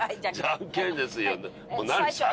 じゃんけんですよ。何先に。